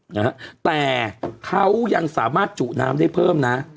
นะฮะแต่เขายังสามารถจุน้ำได้เพิ่มนะ